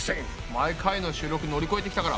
毎回の収録乗り越えてきたから。